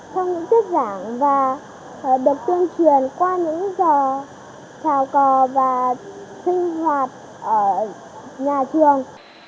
trong những tiết giảng và được tuyên truyền qua những giờ trào cò và sinh hoạt ở nhà trường